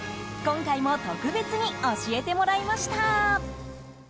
今回も特別に教えてもらいました。